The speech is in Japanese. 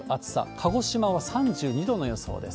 鹿児島は３２度の予想です。